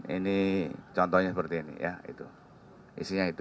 ini contohnya seperti ini ya itu isinya itu